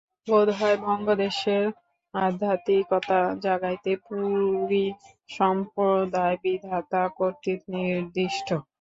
বোধহয় বঙ্গদেশের আধ্যাত্মিকতা জাগাইতে পুরী-সম্প্রদায় বিধাতা কর্তৃক নির্দিষ্ট।